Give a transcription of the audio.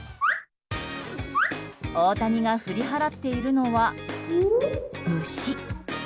大谷が振り払っているのは、虫。